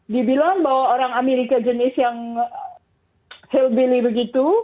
dibilang bahwa orang amerika jenis yang healthbilly begitu